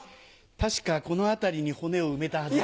確かこの辺りに骨を埋めたはず。